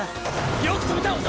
よく止めたお嬢！